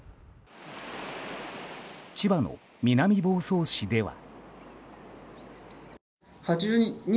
千葉の南房総市では。